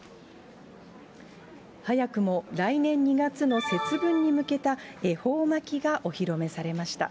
早くも来年２月の節分に向けた恵方巻がお披露目されました。